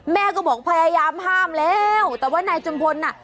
แม่ก็บอกพยายามห้ามแล้วแต่ว่านายจุมพลน่ะ